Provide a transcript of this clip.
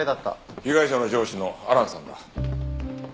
被害者の上司のアランさんだ。